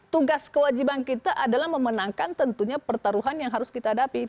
tugas kewajiban kita adalah memenangkan tentunya pertaruhan yang harus kita hadapi